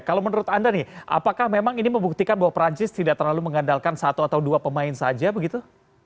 kalau menurut anda nih apakah memang ini membuktikan bahwa perancis tidak terlalu mengandalkan satu atau dua pemain saja begitu